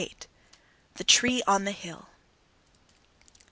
VIII. THE TREE ON THE HILL.